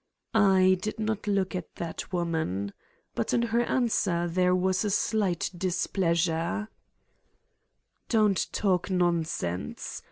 I did not look at that woman. But in her answer there was a slight displeasure : "Don't talk nonsense.